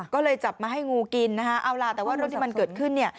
ก็เลยจับมาให้งูกินนะเอาล่ะแต่ว่ารถที่มันเกิดขึ้น